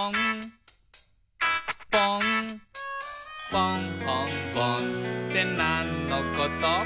「ぽんほんぼんってなんのこと？」